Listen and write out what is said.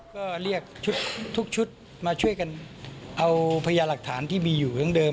ก็เรียกชุดทุกชุดมาช่วยกันเอาพญาหลักฐานที่มีอยู่เรื่องเดิม